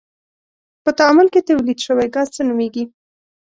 په تعامل کې تولید شوی ګاز څه نومیږي؟